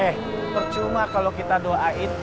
eh percuma kalau kita doain